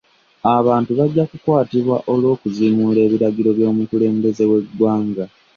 Abantu bajja kukwatibwa olwo'kuziimuula biragiro by'omukulembeze we ggwanga.